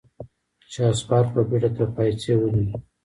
شهسوار په بېړه تر پايڅې ونيو.